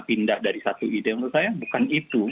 pindah dari satu ide menurut saya bukan itu